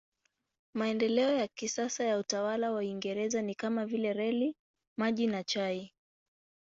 Maendeleo ya kisasa ya utawala wa Uingereza ni kama vile reli, maji na chai.